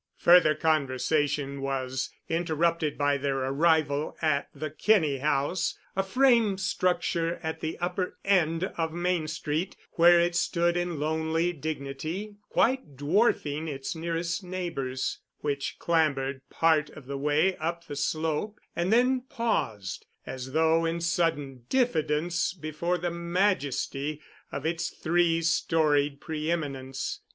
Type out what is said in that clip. Further conversation was interrupted by their arrival at the Kinney House, a frame structure at the upper end of Main Street, where it stood in lonely dignity, quite dwarfing its nearest neighbors, which clambered part of the way up the slope and then paused—as though in sudden diffidence before the majesty of its three storied preëminence.